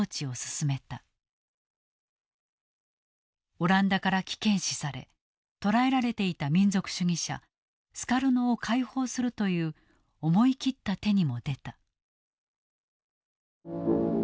オランダから危険視され捕らえられていた民族主義者スカルノを解放するという思い切った手にも出た。